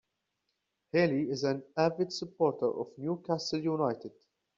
Healy is an avid supporter of Newcastle United.